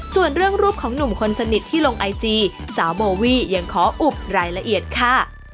ส่วนเรื่องรูปของหนุ่มคนสนิทที่ลงไอจีสาวโบวี่ยังขออุบรายละเอียดค่ะ